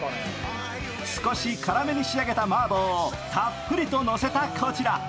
少し辛めに仕上げたマーボーをたっぷりと乗せたこちら。